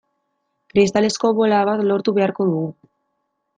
Kristalezko bola bat lortu beharko dugu.